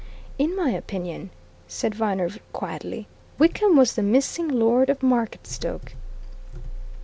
"In my opinion," said Viner, quietly, "Wickham was the missing Lord of Marketstoke!"